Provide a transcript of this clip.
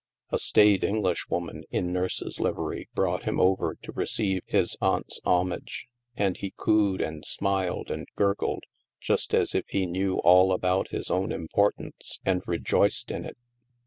A staid Englishwoman in nurse's livery brought him over to receive his aunt's homage, and he cooed, and smiled, and gurgled, just as if he knew all about his own importance and rejoiced in it.